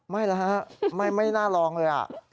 ไม่แล้วฮะไม่น่าลองเลย